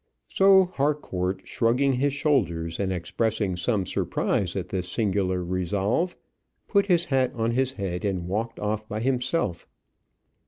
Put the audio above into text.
So Harcourt, shrugging his shoulders, and expressing some surprise at this singular resolve, put his hat on his head and walked off by himself.